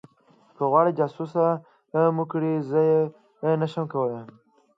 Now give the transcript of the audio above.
که غواړې جاسوسه مې کړي زه یې نشم کولی